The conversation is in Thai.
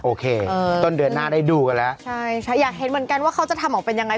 โอเคต้นเดือนหน้าได้ดูกันแล้วใช่ใช่อยากเห็นเหมือนกันว่าเขาจะทำออกเป็นยังไง